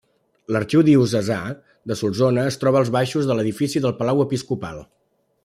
L'Arxiu Diocesà de Solsona es troba als baixos de l'edifici del Palau Episcopal.